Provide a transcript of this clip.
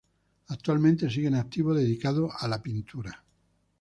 Actualmente sigue en activo, dedicado a la pintura.